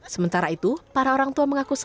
sementara itu para orang tua mengakui bahwa